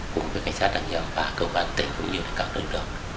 cùng với cảnh sát đặc nhiệm và cơ quan tỉnh cũng như các nực lượng